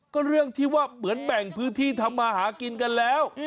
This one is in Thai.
ก็เรื่องที่ว่าเหมือนแบ่งพื้นที่ทำมาหากินกันแล้ว